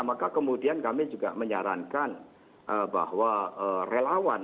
maka kemudian kami juga menyarankan bahwa relawan